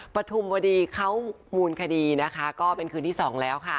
ปฐุมวดีเข้ามูลคดีก็เป็นคืนที่๒แล้วค่ะ